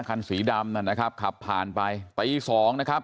คันสีดำนั่นนะครับขับผ่านไปตีสองนะครับ